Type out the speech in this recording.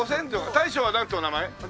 大将はなんてお名前？